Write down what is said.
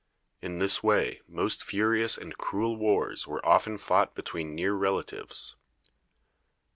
In this way most furious and cruel wars were often fought between near relatives.